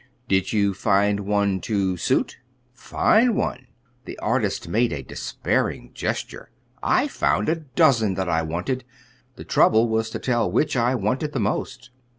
"Did you find one to suit?" "Find one!" The artist made a despairing gesture. "I found a dozen that I wanted. The trouble was to tell which I wanted the most."